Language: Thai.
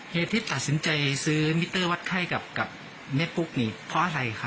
เหตุที่ตัดสินใจซื้อมิเตอร์วัดไข้กับแม่ปุ๊กนี่เพราะอะไรคะ